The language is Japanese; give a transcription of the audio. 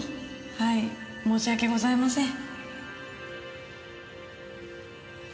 はい申し訳ございません。